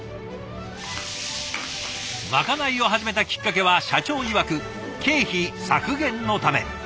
まかないを始めたきっかけは社長いわく経費削減のため。